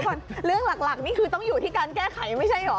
ส่วนเรื่องหลักนี่คือต้องอยู่ที่การแก้ไขไม่ใช่เหรอ